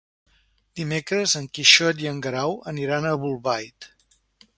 Dimecres en Quixot i en Guerau aniran a Bolbait.